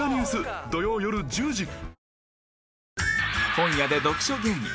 本屋で読書芸人